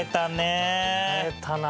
買えたな。